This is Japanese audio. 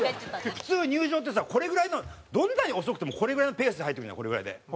普通入場ってさこれぐらいのどんなに遅くてもこれぐらいのペースで入ってくるじゃんこれぐらいで。